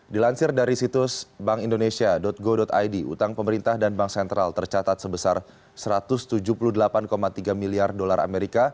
dilansir dari situs bank indonesia go id utang pemerintah dan bank sentral tercatat sebesar satu ratus tujuh puluh delapan tiga miliar dolar amerika